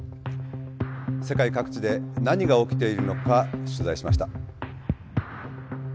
世界各地で何が起きているのか取材しました。